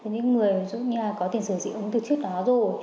những người có tiền sử dị ứng từ trước đó rồi